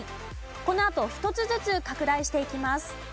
このあと一つずつ拡大していきます。